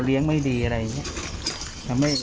ลองไปดูบรรยากาศช่วงนั้นนะคะ